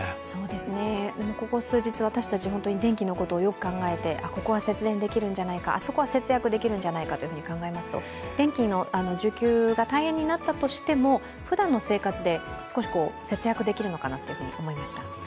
でも、ここ数日、私たち電気のことをよく考えて、ここは節電できるんじゃないか、あそこは節約できるんじゃないかと考えますと電気の需給が大変になったとしてもふだんの生活で、少し節約できるのかなと思いました。